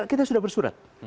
kita sudah bersurat